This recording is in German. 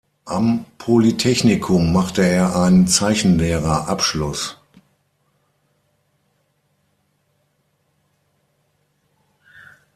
Am Polytechnikum machte er einen Zeichenlehrer-Abschluss.